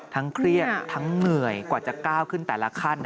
เครียดทั้งเหนื่อยกว่าจะก้าวขึ้นแต่ละขั้น